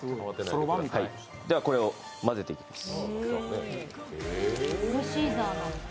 では、これを混ぜていきます。